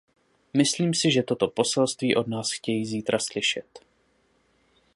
Myslím si, že toto poselství od nás chtějí zítra slyšet.